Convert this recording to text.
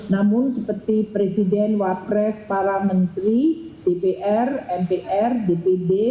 namun seperti presiden wapres para menteri dpr mpr dpd